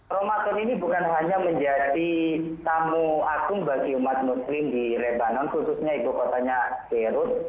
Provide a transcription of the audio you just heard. ramadan ini bukan hanya menjadi tamu agung bagi umat muslim di lebanon khususnya ibu kotanya beirut